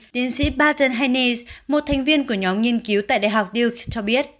tiến sĩ barton haynes một thành viên của nhóm nghiên cứu tại đại học duke cho biết